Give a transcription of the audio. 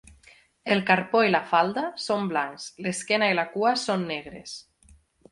El carpó i la falda són blancs, l'esquena i la cua són negres.